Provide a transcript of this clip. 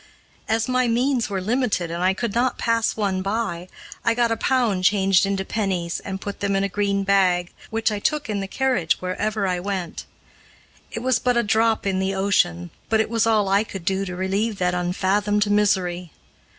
As my means were limited and I could not pass one by, I got a pound changed into pennies, and put them in a green bag, which I took in the carriage wherever I went. It was but a drop in the ocean, but it was all I could do to relieve that unfathomed misery.